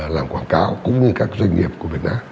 làm quảng cáo cũng như các doanh nghiệp của việt nam